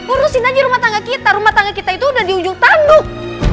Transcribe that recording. urusin aja rumah tangga kita rumah tangga kita itu udah di ujung tanduk